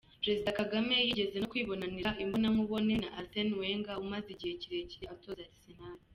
Perezida Kagame yigeze no kwibonanira imbonankubone na Arsene Wenger umaze igihe kirekire atoza Arsenal.